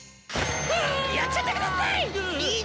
やっちゃって下さい！